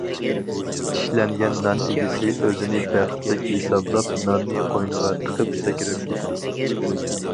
چىشلەنگەن نان ئىگىسى ئۆزىنى بەختلىك ھېسابلاپ، ناننى قوينىغا تىقىپ سەكرەپ كېتىدۇ.